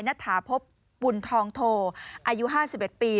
นัตภาพบุญทองโทอายุห้าสิบเอ็ดปี